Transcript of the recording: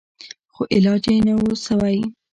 خو علاج يې نه و سوى.